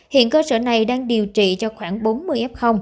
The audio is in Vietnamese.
hiện cơ sở này đang điều trị cho khoảng bốn mươi f